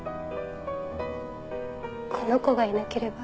「この子がいなければ」